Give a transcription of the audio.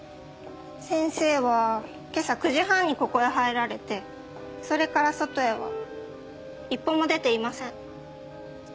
先生は今朝９時半にここへ入られてそれから外へは一歩も出ていません。